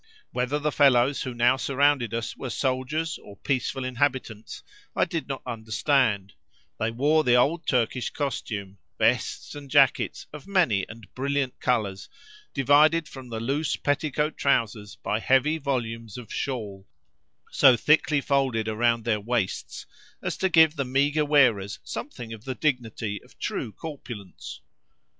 Whether the fellows who now surrounded us were soldiers, or peaceful inhabitants, I did not understand: they wore the old Turkish costume; vests and jackets of many and brilliant colours, divided from the loose petticoat trousers by heavy volumes of shawl, so thickly folded around their waists as to give the meagre wearers something of the dignity of true corpulence.